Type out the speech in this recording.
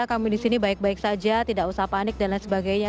kami di sini baik baik saja tidak usah panik dan lain sebagainya